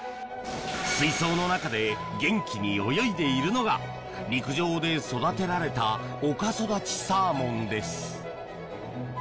水槽の中で元気に泳いでいるのが陸上で育てられたおかそだちサーモンです。